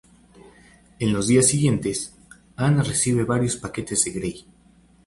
En los días siguientes, Ana recibe varios paquetes de Grey.